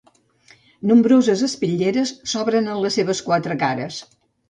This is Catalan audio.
Nombroses espitlleres s'obren en les seves quatre cares.